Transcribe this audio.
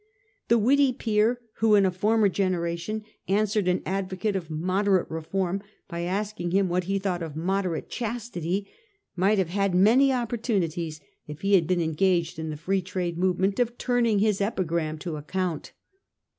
The witty peer who in a former generation answered an advocate of moderate reform by asking him what he thought of moderate chastity, might have had many opportunities, if he had been engaged in the Free Trade movement, of turning his epigram to account.